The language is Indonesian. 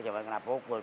coba kena pukul